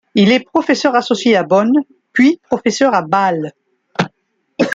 Il est professeur associé à Bonn puis professeur à Bâle.